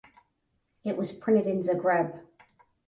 It was printed in Zagreb.